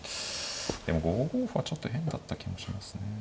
でも５五歩はちょっと変だった気もしますね。